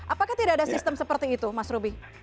apakah tidak ada sistem seperti itu mas ruby